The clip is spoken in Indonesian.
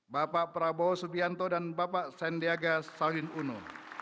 bapak prabowo subianto dan bapak sandiaga saudin uno